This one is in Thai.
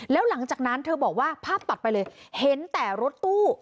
แล้วหลังจากนั้นเธอบอกว่าภาพตัดไปเลยเห็นแต่รถตู้